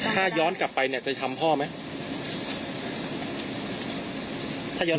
ถ้าย้อนกลับไปเนี่ยจะทำพ่อไหม